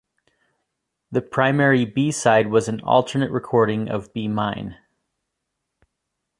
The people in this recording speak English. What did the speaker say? The primary b-side was an alternate recording of "Be Mine".